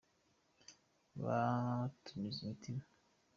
Batunyuze imitima